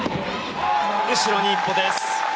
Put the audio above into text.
後ろに１歩です。